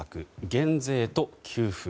減税と給付。